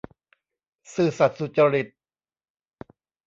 ซื่อสัตย์สุจริต